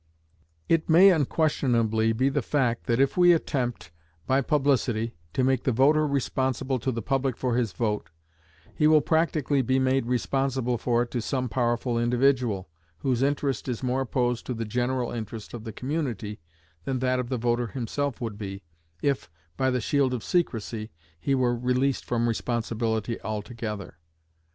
It may unquestionably be the fact, that if we attempt, by publicity, to make the voter responsible to the public for his vote, he will practically be made responsible for it to some powerful individual, whose interest is more opposed to the general interest of the community than that of the voter himself would be, if, by the shield of secrecy, he were released from responsibility altogether.